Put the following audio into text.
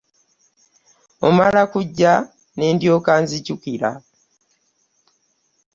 Omala kujja ne ndyoka nzijukira.